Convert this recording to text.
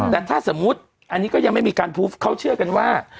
แต่ถ้าสมมุติอันนี้ก็ยังไม่มีการพูฟเขาเชื่อกันว่า